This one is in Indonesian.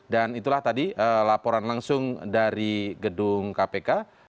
dan itulah tadi laporan langsung dari gedung kpk